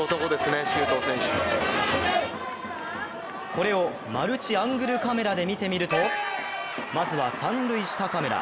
これをマルチアングルカメラで見てみるとまずは三塁下カメラ。